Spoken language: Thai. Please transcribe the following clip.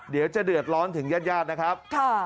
เดี๋ยวจะเดือดร้อนถึงญาติญาตินะครับ